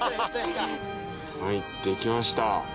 はい出来ました。